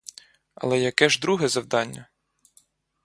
Але яке ж друге завдання?